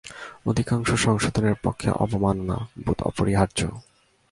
অধিকাংশ সংশোধনের পক্ষে অবমাননা-বোধ অপরিহার্য।